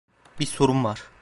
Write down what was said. Bir sorum var.